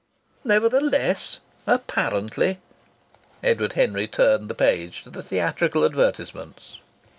"Nevertheless!" ... "Apparently!" Edward Henry turned the page to the theatrical advertisements.